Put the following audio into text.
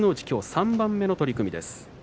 きょう３番目の取組です。